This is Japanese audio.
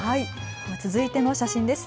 続いての写真です。